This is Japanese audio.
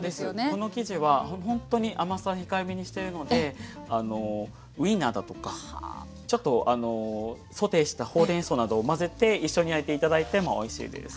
この生地はほんとに甘さ控えめにしてるのでウインナーだとかちょっとソテーしたホウレンソウなどをまぜて一緒に焼いて頂いてもおいしいです。